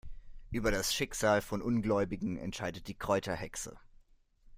Über das Schicksal von Ungläubigen entscheidet die Kräuterhexe.